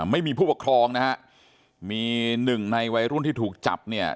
ไม่มีผู้ปกครองนะฮะมีหนึ่งในวัยรุ่นที่ถูกจับเนี่ย